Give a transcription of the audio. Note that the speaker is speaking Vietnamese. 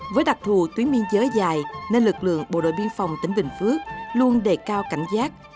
với đặc thù tuyến biên giới dài nên lực lượng bộ đội biên phòng tỉnh bình phước luôn đề cao cảnh giác